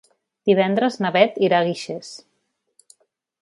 Divendres na Beth irà a Guixers.